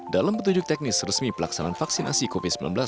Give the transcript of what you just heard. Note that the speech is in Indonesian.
dalam petunjuk teknis resmi pelaksanaan vaksinasi covid sembilan belas